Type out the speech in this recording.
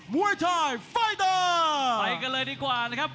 ไปกันเลยดีกว่านะครับ